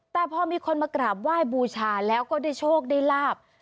แต่พอมีคนมากราบไหว้บูชาแล้วก็ได้โชคได้ลาบ